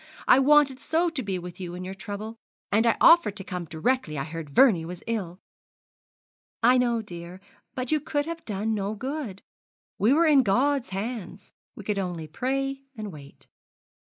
I wanted so to be with you in your trouble; and I offered to come directly I heard Vernie was ill!' 'I know, dear; but you could have done no good. We were in God's hands. We could only pray and wait.'